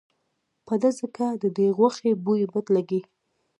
په ده ځکه ددې غوښې بوی بد لګي.